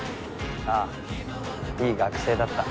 ああいい学生だった。